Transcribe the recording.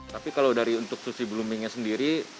tapi kalau dari untuk sushi bloomingnya sendiri